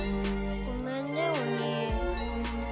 ごめんねお兄。